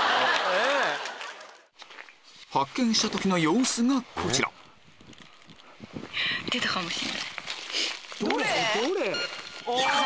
発見した時の様子がこちらどれ？